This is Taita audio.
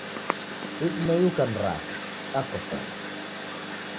Idimei ukanirasha dakosana